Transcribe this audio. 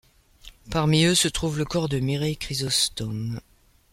Parmi eux se trouve le corps de Mireille Chrisostome.